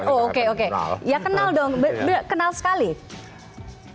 oh oke oke ya kenal dong kenal sekali